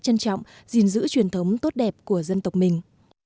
chúng tôi rất trân trọng gìn giữ truyền thống tốt đẹp của dân tộc mình